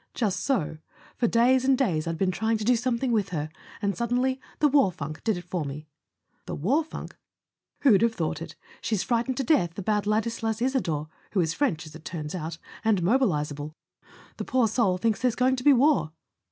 "Just so. For days and days I'd been trying to do something with her; and suddenly the war funk did it for me." "The war funk ?" "Who'd have thought it? She's frightened to death about Ladislas Isador—who is French, it turns out, and mobilisable. The poor soul thinks there's going to be war!